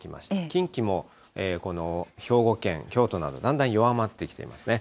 近畿も、この兵庫県、京都など、だんだん弱まってきていますね。